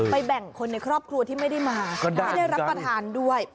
แบ่งคนในครอบครัวที่ไม่ได้มาให้ได้รับประทานด้วย